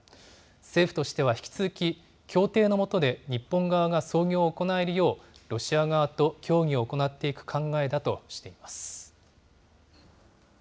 政府としては引き続き協定のもとで日本側が操業を行えるよう、ロシア側と協議を行っていく考えだとしています。